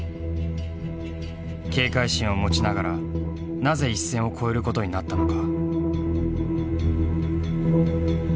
警戒心を持ちながらなぜ一線を越えることになったのか。